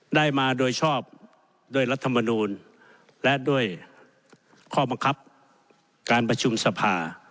ได้มาโดยชอบโดยรัฐบัณฑ์อนุญแทนและด้วยข้อมังคับการประชุมสภา